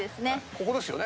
ここですよね？